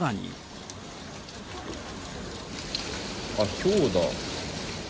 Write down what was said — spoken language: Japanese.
あっ、ひょうだ。